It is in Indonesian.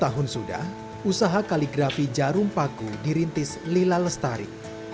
dua puluh tahun sudah usaha kaligrafi jarum paku dirintis lila lestari